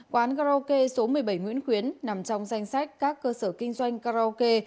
quán karaoke số một mươi bảy nguyễn khuyến nằm trong danh sách các cơ sở kinh doanh karaoke